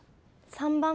３番。